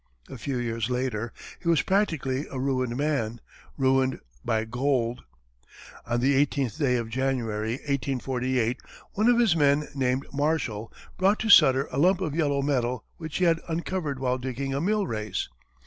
A few years later, he was practically a ruined man ruined by gold. On the eighteenth day of January, 1848, one of his men named Marshall, brought to Sutter a lump of yellow metal which he had uncovered while digging a mill race.